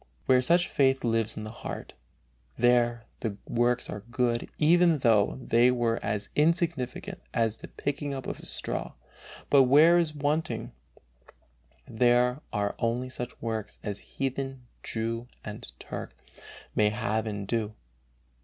Where such faith lives in the heart, there the works are good "even though they were as insignificant as the picking up of a straw"; but where it is wanting, there are only such works as "heathen, Jew and Turk" may have and do.